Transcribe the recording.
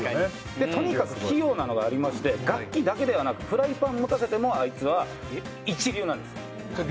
とにかく器用なのがありまして楽器だけではなく、フライパン持たせても、あいつは一流なんです。